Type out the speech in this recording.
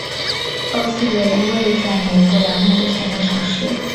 厄斯为位在美国兰姆县的城市。